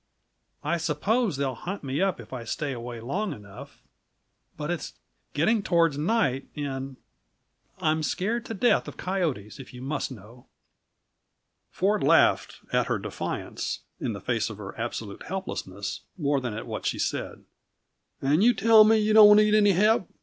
I suppose they'll hunt me up if I stay away long enough but it's getting toward night, and I'm scared to death of coyotes, if you must know!" Ford laughed at her defiance, in the face of her absolute helplessness, more than at what she said. "And you tell me you don't need any help?"